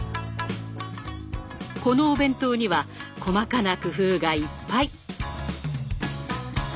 このお弁当には細かな工夫がいっぱい。